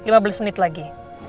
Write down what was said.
lima belas menit lagi